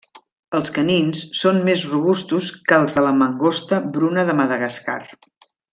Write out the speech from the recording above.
Els canins són més robustos que els de la mangosta bruna de Madagascar.